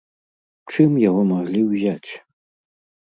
Чым яго маглі ўзяць?